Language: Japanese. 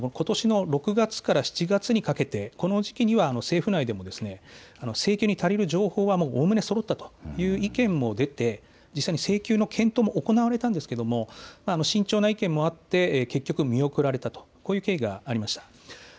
実はことし６月から７月にかけてこの時期には政府内でも請求に足りる情報はおおむねそろったという意見も出て請求の検討も行われたんですが慎重な意見もあって結局、見送られた、こういう経緯がありました。